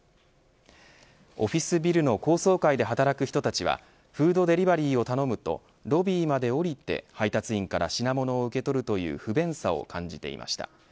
オフィスビルの高層階で働く人たちはフードデリバリーを頼むとロビーまで降りて配達員から品物を受け取るという不便さを感じていました。